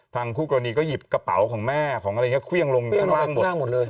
คู่กรณีก็หยิบกระเป๋าของแม่ของอะไรอย่างนี้เครื่องลงข้างล่างหมดเลย